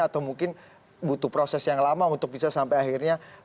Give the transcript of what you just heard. atau mungkin butuh proses yang lama untuk bisa sampai akhirnya